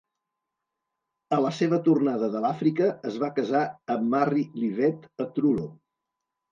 A la seva tornada de l'Àfrica es va casar amb Marry Livett a Truro.